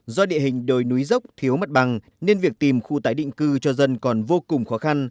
do địa hình đồi núi dốc thiếu mất bằng nên việc tìm khu tái định cư cho dân còn vô cùng khó khăn